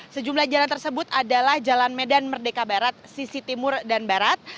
sejumlah jalan tersebut adalah jalan medan merdeka barat sisi timur dan barat